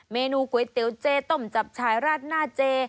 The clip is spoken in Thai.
เมนูก๋วยเตี๋ยวเจต้มจับฉายราดหน้าเจ